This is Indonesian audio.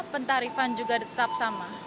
pentarifan juga tetap sama